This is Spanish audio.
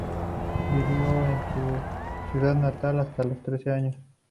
Vivió en su ciudad natal hasta los trece años.